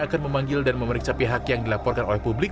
akan memanggil dan memeriksa pihak yang dilaporkan oleh publik